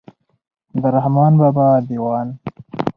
د رحمان بابا دېوان.